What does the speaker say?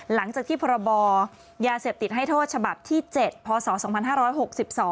หลังจากที่พรบยาเสพติดให้โทษฉบับที่๗พศ๒๕๖๒